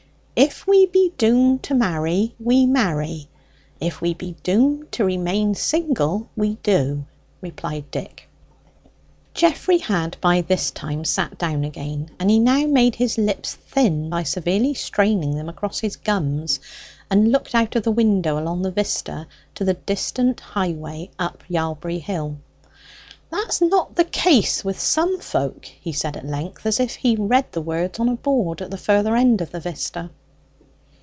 "If we be doomed to marry, we marry; if we be doomed to remain single, we do," replied Dick. Geoffrey had by this time sat down again, and he now made his lips thin by severely straining them across his gums, and looked out of the window along the vista to the distant highway up Yalbury Hill. "That's not the case with some folk," he said at length, as if he read the words on a board at the further end of the vista.